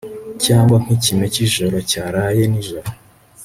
cyangwa nk'ikime cyijoro cyaraye nijoro